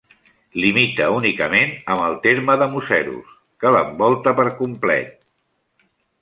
Limita únicament amb el terme de Museros, que l'envolta per complet.